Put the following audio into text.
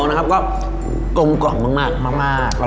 อร่อยเชียบแน่นอนครับอร่อยเชียบแน่นอนครับ